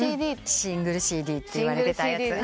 シングルＣＤっていわれてたやつ。